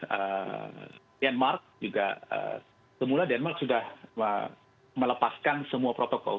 dan denmark juga semula denmark sudah melepaskan semua protokol